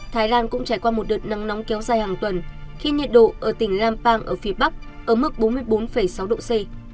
thái lan cũng trải qua một đợt nắng nóng kéo dài hàng tuần khi nhiệt độ ở tỉnh lampang ở phía bắc ở mức bốn mươi bốn sáu độ c